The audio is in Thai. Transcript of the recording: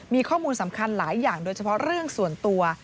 มีข้อมูลสำคัญหลายอย่างโดยเฉพาะเรื่องส่วนตัว